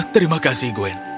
terima kasih gwen